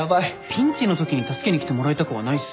ピンチのときに助けに来てもらいたくはないっすよ。